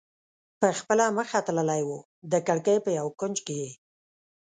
په خپله مخه تللی و، د کړکۍ په یو کونج کې یې.